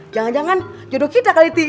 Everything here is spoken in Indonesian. jangan jangan jodoh kita kali ini